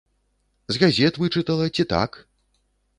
З газет вычытала, ці так?